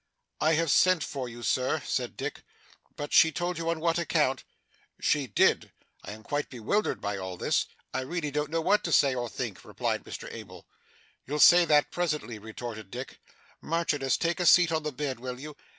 'I have sent for you, Sir,' said Dick 'but she told you on what account?' 'She did. I am quite bewildered by all this. I really don't know what to say or think,' replied Mr Abel. 'You'll say that presently,' retorted Dick. 'Marchioness, take a seat on the bed, will you?